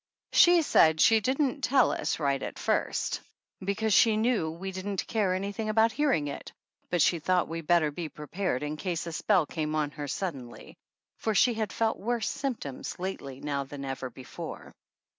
She said she didn't tell us right at first because she knew we didn't care anything about hearing it, but she thought we better be prepared in case a spell came on her suddenly, for she had felt worse symptoms lately than ever before.